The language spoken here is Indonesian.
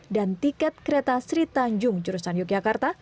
dan tiket kereta sri tanjung jurusan yogyakarta